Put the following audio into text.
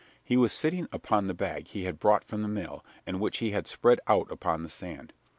He was sitting upon the bag he had brought from the mill and which he had spread out upon the sand.